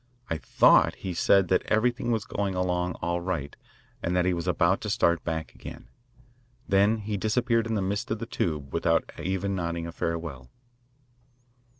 I thought he said that everything was going along all right and that he was about to start back again. Then he disappeared in the mist of the tube without even nodding a farewell.